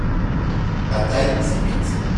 Ma taille c’est huit.